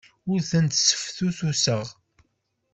Ur ten-sseftutuseɣ.